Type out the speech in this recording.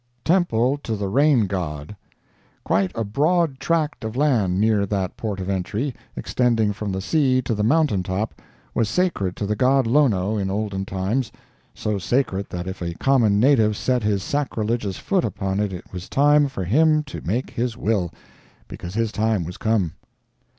TEMPLE TO THE RAIN GOD Quite a broad tract of land near that port of entry, extending from the sea to the mountain top, was sacred to the god Lono in olden times—so sacred that if a common native set his sacrilegious foot upon it it was time for him to make his will, because his time was come.